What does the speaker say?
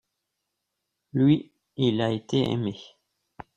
lui, il a été aimé.